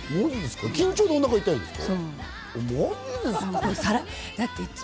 緊張でお腹痛いんですか？